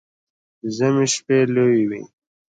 د ژمي شپه لويه وي